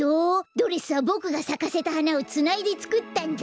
ドレスはボクがさかせたはなをつないでつくったんだ。